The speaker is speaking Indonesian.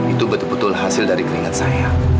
itu betul betul hasil dari keringat saya